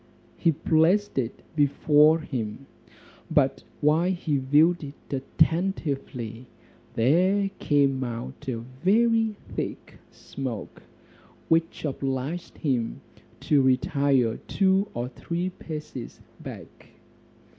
He placed it before him, but while he viewed it attentively, there came out a very thick smoke, which obliged him to retire two or three paces back.